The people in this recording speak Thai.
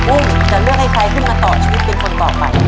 อุ้มจะเลือกให้ใครขึ้นมาต่อชีวิตเป็นคนต่อไป